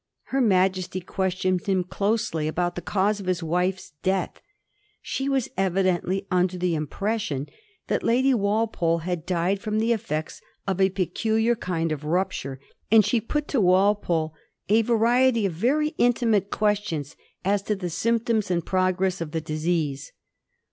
Her Majesty questioned him closely about the cause of his wife's death. She was evidently under the impression that Lady Walpole had died from the effects of a peculiar kind of rupture, and she put to Walpole a variety of very intimate questions as to the symptoms and progress of the disease.